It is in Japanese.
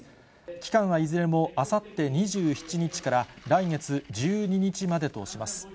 期間はいずれも、あさって２７日から来月１２日までとします。